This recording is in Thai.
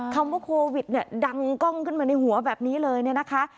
คำว่าโควิดเนี่ยดังกล้องขึ้นมาในหัวแบบนี้เลยเนี่ยนะคะ